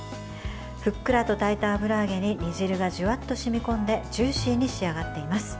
ふっくらと炊いた油揚げに煮汁がジュワッと染み込んでジューシーに仕上がっています。